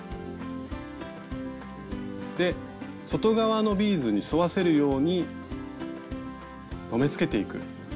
で外側のビーズに沿わせるように留めつけていく。